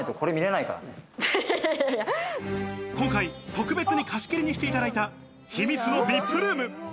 今回、特別に貸し切りにしていただいた、秘密のＶＩＰルーム。